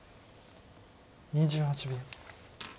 ２８秒。